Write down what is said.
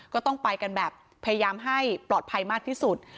ก็ต้องไปกันแบบพยายามให้ปลอดภัยมากที่สุด